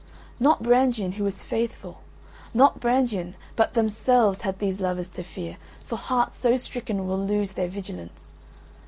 Not Brangien who was faithful, not Brangien, but themselves had these lovers to fear, for hearts so stricken will lose their vigilance.